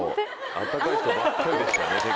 温かい人ばっかりでしたね。